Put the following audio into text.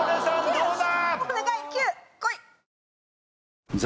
どうだ？